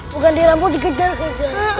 bukan dirampok dikejar kejar